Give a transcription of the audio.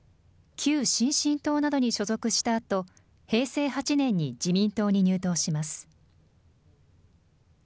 旧新進党などに所属したあと、平成８年に自民党に入党します。